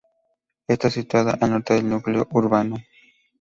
Está situada al norte del núcleo urbano.